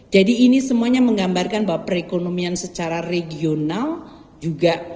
jadi ini semuanya menggambarkan bahwa perekonomian secara regional juga terus kita jaga